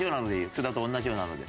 津田と同じようなので。